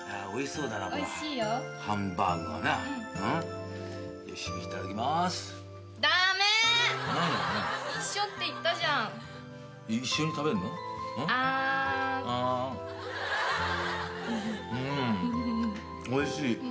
おいしい。